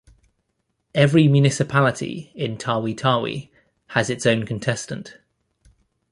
Every municipality in Tawi-Tawi has its own contestant.